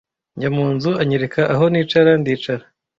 Njya mu nzu anyereka aho nicara ndicara